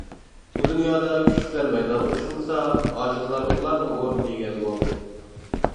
بۇ دۇنيادا كۈچلۈكلەر مەيدانغا چىقمىسا، ئاجىزلار ئۇلارنىڭ ئورنىنى ئىگىلىۋالىدۇ.